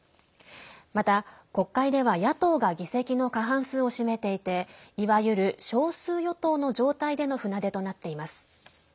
また、国会では野党が議席の過半数を占めていていわゆる少数与党の状態での船出となっています。